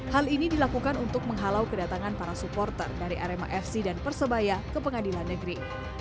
hal ini dilakukan untuk menghalau kedatangan para supporter dari arema fc dan persebaya ke pengadilan negeri